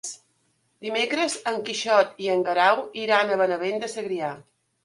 Dimecres en Quixot i en Guerau iran a Benavent de Segrià.